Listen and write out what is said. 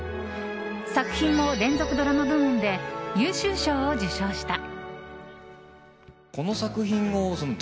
作品も連続ドラマ部門で優秀賞を受賞した。